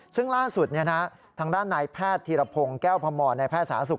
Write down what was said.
ซึ่งล่าสุดทางด้านนายแพทย์ธีรพงศ์แก้วพมรในแพทย์สาธารณสุข